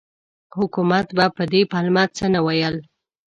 حکومت به په دې پلمه څه نه ویل.